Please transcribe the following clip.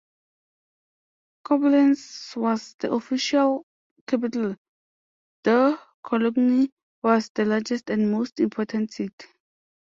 Koblenz was the official capital, though Cologne was the largest and most important city.